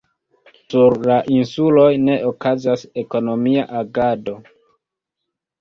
Sur la insuloj ne okazas ekonomia agado.